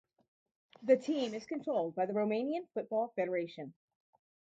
The team is controlled by the Romanian Football Federation.